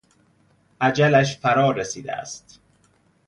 اجلش فرا رسیده است.